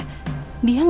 dia gak keluar kotanya